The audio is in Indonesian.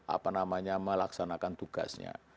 apa namanya melaksanakan tugasnya